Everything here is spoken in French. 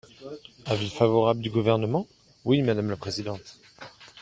Avis favorable du Gouvernement ? Oui, madame la présidente.